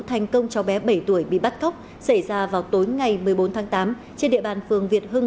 thành công cháu bé bảy tuổi bị bắt cóc xảy ra vào tối ngày một mươi bốn tháng tám trên địa bàn phường việt hưng